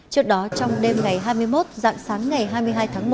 trước đó trong đêm ngày hai mươi một dạng sáng ngày hai mươi hai tháng một